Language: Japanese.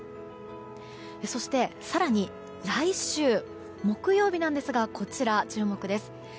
そして、更に来週木曜日ですがこちら、注目です。